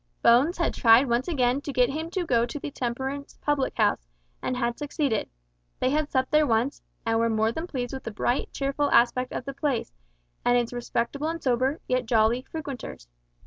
Bones had tried once again to get him to go to the temperance public house, and had succeeded. They had supped there once, and were more than pleased with the bright, cheerful aspect of the place, and its respectable and sober, yet jolly, frequenters.